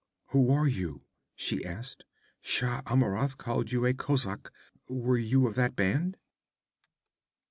'Who are you?' she asked. 'Shah Amurath called you a kozak; were you of that band?'